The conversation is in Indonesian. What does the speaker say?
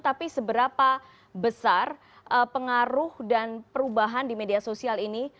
tapi seberapa besar pengaruh dan perubahan di media sosial ini